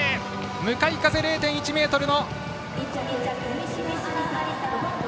向かい風、０．１メートル。